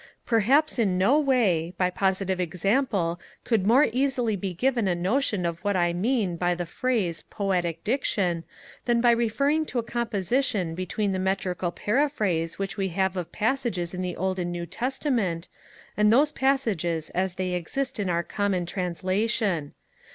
Perhaps in no way, by positive example could more easily be given a notion of what I mean by the phrase poetic diction than by referring to a comparison between the metrical paraphrase which we have of passages in the Old and New Testament, and those passages as they exist in our common Translation.